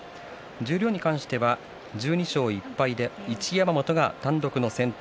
十両に関しては１２勝１敗で一山本が単独の先頭。